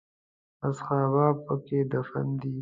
اصحاب په کې دفن دي.